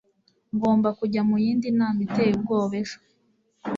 Ngomba kujya muyindi nama iteye ubwoba ejo.